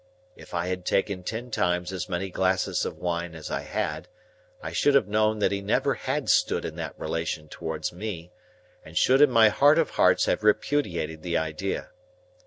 If I had taken ten times as many glasses of wine as I had, I should have known that he never had stood in that relation towards me, and should in my heart of hearts have repudiated the idea.